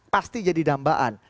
pasti jadi dambaan